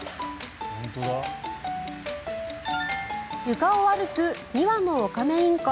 床を歩く２羽のオカメインコ。